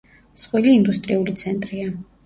მსხვილი ინდუსტრიული ცენტრია.